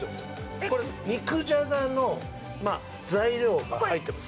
肉じゃがの材料が入ってます。